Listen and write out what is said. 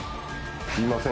すいません。